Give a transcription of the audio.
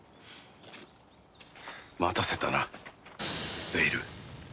待たせたなベイル。